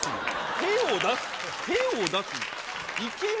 手を出すな、手を出すな。